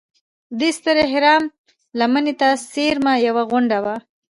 دې ستر اهرام لمنې ته څېرمه یوه غونډه وه.